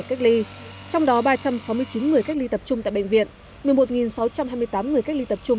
cách ly trong đó ba trăm sáu mươi chín người cách ly tập trung tại bệnh viện một mươi một sáu trăm hai mươi tám người cách ly tập trung